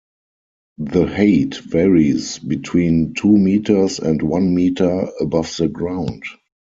The height varies between two meters and one meter above the ground.